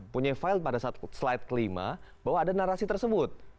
punya file pada saat slide kelima bahwa ada narasi tersebut